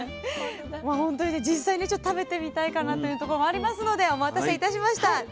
まあほんとにね実際に食べてみたいかなというところもありますのでお待たせいたしました。